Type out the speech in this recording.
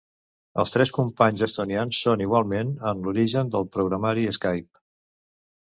Els tres companys estonians són igualment en l'origen del programari Skype.